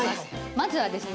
まずはですね